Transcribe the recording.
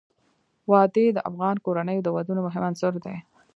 وادي د افغان کورنیو د دودونو مهم عنصر دی.